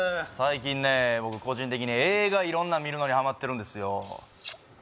最近ね僕個人的に映画色んなの見るのにハマってるんですよ